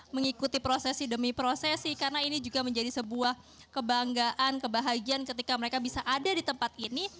mengikuti prosesi demi prosesi karena ini juga menjadi sebuah kebanggaan kebahagiaan ketika mereka bisa ada di tempat ini